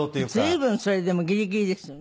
随分それでもギリギリですよね。